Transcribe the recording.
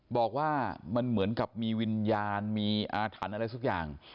บอกว่ามันเหมือนกับมีวิญญาณมีอาถรรพ์อะไรสักอย่าง